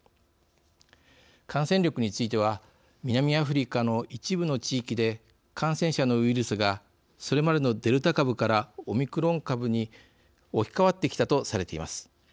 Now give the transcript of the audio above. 感染力については南アフリカの一部の地域で感染者のウイルスがそれまでのデルタ株からオミクロン株に置き換わってきたとされています。